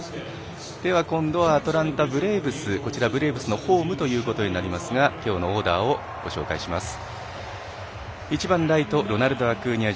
では、今度はアトランタ・ブレーブスのホームということになりますがきょうのオーダーをご紹介します。